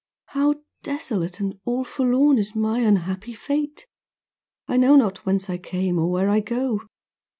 'How desolate And all forlorn is my unhappy fate. I know not whence I came, or where I go.